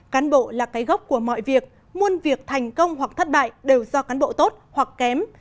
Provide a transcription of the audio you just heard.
cán bộ là cái gốc của mọi việc muôn việc thành công hoặc thất bại đều do cán bộ tốt hoặc kém